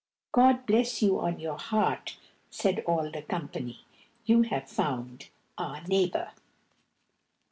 "God bless you on your heart," said all the company; "you have found our neighbour."